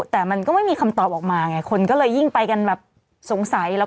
แต่มันก็ไม่มีคำตอบออกมาไงคนก็เลยยิ่งไปกันแบบสงสัยแล้ว